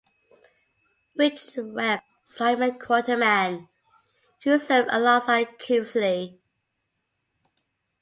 Richard Webb (Simon Quarterman) who served alongside Kingsley.